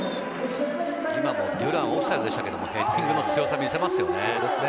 今もデュラン、オフサイドでしたけどヘディングの強さ見せますよね。